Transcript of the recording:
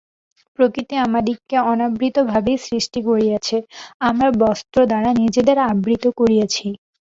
প্রকৃতি আমাদিগকে অনাবৃতভাবেই সৃষ্টি করিয়াছে, আমরা বস্ত্রদ্বারা নিজেদের আবৃত করিয়াছি।